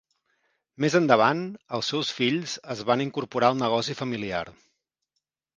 Més endavant, els seus fills es van incorporar al negoci familiar.